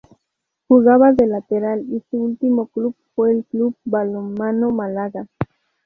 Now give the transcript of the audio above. Jugaba de lateral y su último club fue el Club Balonmano Málaga.